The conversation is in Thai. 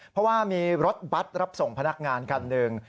เพราะว่ามีรถบัตรรับส่งพนักงานคันหนึ่ง